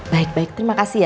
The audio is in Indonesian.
baik baik terima kasih ya